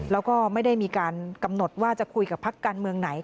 แล้วก็ไม่ได้มีการกำหนดว่าจะคุยกับพักการเมืองไหน